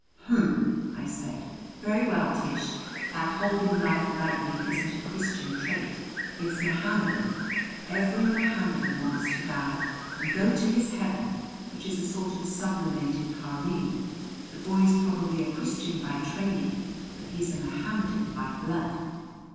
"Humph!" I said. "Very well, Tish, that holding life lightly isn't a Christian trait. It's Mohammedan every Mohammedan wants to die and go to his heaven, which is a sort of sublimated harem. The boy's probably a Christian by training, but he's a Mohammedan by blood."